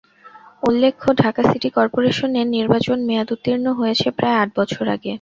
উল্লেখ্য, ঢাকা সিটি করপোরেশনের নির্বাচন মেয়াদোত্তীর্ণ হয়েছে প্রায় আট বছর আগে।